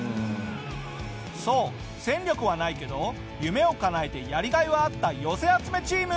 そう戦力はないけど夢をかなえてやりがいはあった寄せ集めチーム。